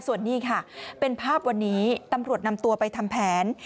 ส่วนนี้ค่ะเป็นภาพวันนี้ตำรวจนำตัวไปทำแผน